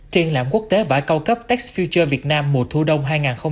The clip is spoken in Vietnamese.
triển lãm quốc tế vải cao cấp tết future việt nam mùa thu đông hai nghìn hai mươi ba